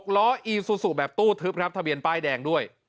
ล้ออีซูซูแบบตู้ทึบครับทะเบียนป้ายแดงด้วย